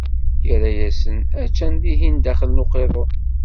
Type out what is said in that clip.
Irra-yasen: a-tt-an dihin, daxel n uqiḍun.